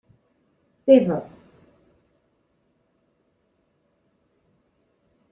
Teva.